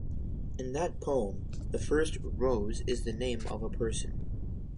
In that poem, the first "Rose" is the name of a person.